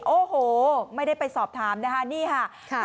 โอ้โหไม่ได้ไปสอบถามนะฮะ